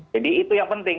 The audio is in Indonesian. jadi itu yang penting